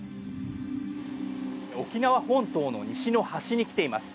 沖縄本島の西の端に来ています。